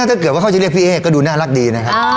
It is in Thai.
ถ้าเกิดว่าเขาจะเรียกพี่เอ๊ก็ดูน่ารักดีนะครับ